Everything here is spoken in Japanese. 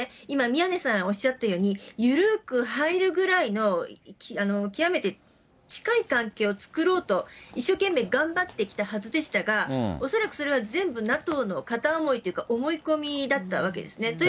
今、宮根さんおっしゃったように、ゆるく入るぐらいの、極めて近い関係を作ろうと一生懸命頑張ってきたはずでしたが、恐らくそれは全部ＮＡＴＯの片思いというか、思い込みだったわけですね。